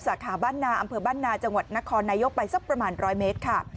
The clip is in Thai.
สาขาบ้านนาอำเภอบ้านนาจังหวัดนครนายกไปสักประมาณ๑๐๐เมตรค่ะ